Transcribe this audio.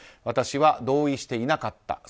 私は同意していなかった。